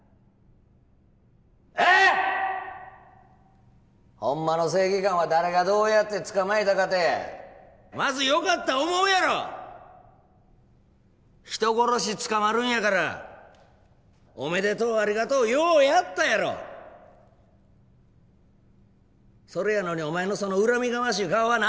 ええっ？ホンマの正義漢は誰がどうやって捕まえたかてまずよかった思うやろ人殺し捕まるんやからおめでとうありがとうようやったやろそれやのにお前のその恨みがましい顔は何なんや